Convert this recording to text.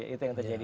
itu yang terjadi